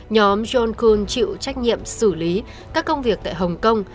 nhóm john kun chịu trách nhiệm xử lý các công việc tại hồng kông